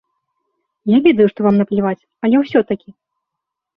Я ведаю, што вам напляваць, але ўсё-такі?